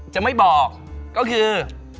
จะไม่บอกก็คือ